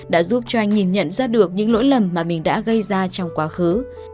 đã giúp cho anh nhìn nhận ra được những lỗi lầm mà mình đã gây ra trong quá khứ